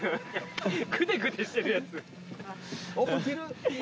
くねくねしてるやつ。